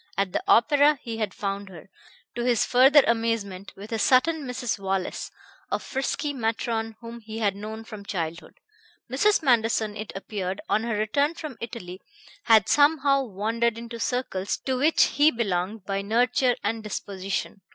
At the opera he had found her, to his further amazement, with a certain Mrs. Wallace, a frisky matron whom he had known from childhood. Mrs. Manderson, it appeared, on her return from Italy, had somehow wandered into circles to which he belonged by nurture and disposition.